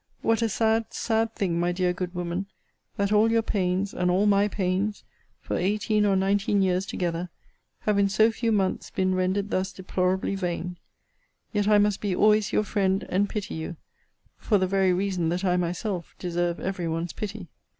What a sad, sad thing, my dear good woman, that all your pains, and all my pains, for eighteen or nineteen years together, have, in so few months, been rendered thus deplorably vain! Yet I must be always your friend, and pity you, for the very reason that I myself deserve every one's pity.